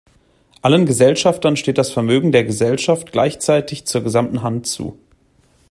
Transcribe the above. Allen Gesellschaftern steht das Vermögen der Gesellschaft gleichzeitig zur gesamten Hand zu.